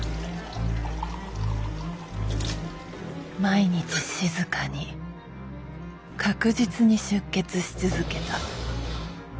毎日静かに確実に出血し続けた。